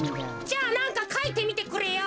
じゃあなんかかいてみてくれよ。